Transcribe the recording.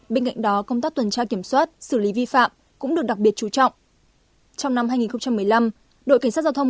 bên cạnh đó công tác tuần tra kiểm soát xử lý vi phạm cũng được đặc biệt trú trọng